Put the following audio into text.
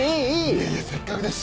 いやいやせっかくですし。